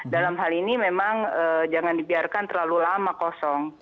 dalam hal ini memang jangan dibiarkan terlalu lama kosong